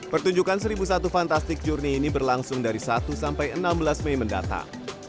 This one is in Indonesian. pertunjukan seribu satu fantastik journey ini berlangsung dari satu sampai enam belas mei mendatang